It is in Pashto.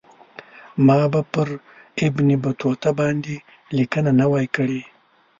ما به پر ابن بطوطه باندې لیکنه نه وای کړې.